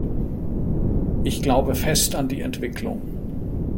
Ich glaube fest an die Entwicklung.